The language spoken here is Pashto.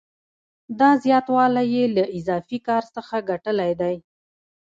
دا زیاتوالی یې له اضافي کار څخه ګټلی دی